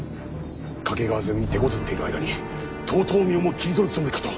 懸川攻めにてこずっている間に遠江をも切り取るつもりかと！